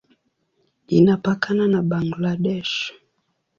Inapakana na Bangladesh.